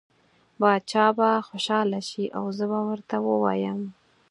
باچا به خوشحاله شي او زه به ورته ووایم.